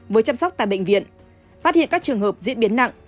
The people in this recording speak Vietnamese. với chăm sóc tại bệnh viện phát hiện các trường hợp diễn biến nặng